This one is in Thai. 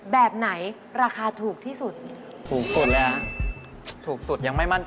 แบบไหนราคาถูกที่สุด